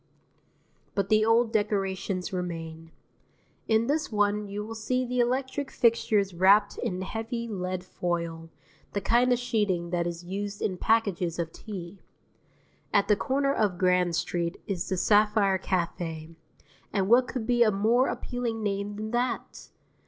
But the old decorations remain. In this one you will see the electric fixtures wrapped in heavy lead foil, the kind of sheeting that is used in packages of tea. At the corner of Grand Street is the Sapphire Café, and what could be a more appealing name than that?